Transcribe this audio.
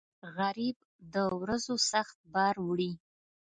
غریب د ورځو سخت بار وړي